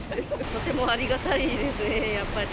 とてもありがたいですね、やっぱり。